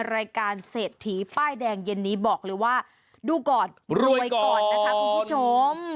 รายการเศรษฐีป้ายแดงเย็นนี้บอกเลยว่าดูก่อนรวยก่อนนะคะคุณผู้ชม